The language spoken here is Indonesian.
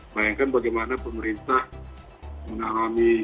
bayangkan bagaimana pemerintah menalami